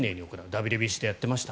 ＷＢＣでやってました。